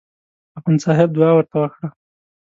اخندصاحب دعا ورته وکړه.